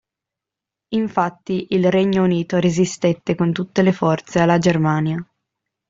Infatti, il Regno Unito resistette con tutte le forze alla Germania.